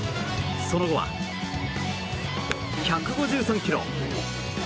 その後は１５３キロ。